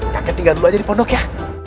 kakek tinggal dulu aja di pondok ya